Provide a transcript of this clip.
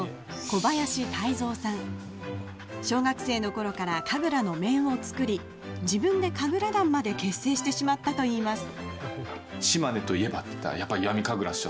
小学生のころから神楽の面を作り自分で神楽団まで結成してしまったといいます。